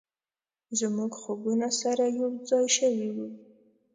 زموږ خوبونه سره یو ځای شوي و،